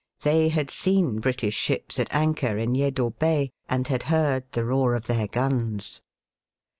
They had seen British ships at anchor in Tedo Bay, and had heard the roar of their guns.